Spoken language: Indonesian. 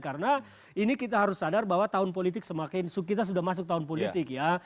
karena ini kita harus sadar bahwa tahun politik semakin kita sudah masuk tahun politik ya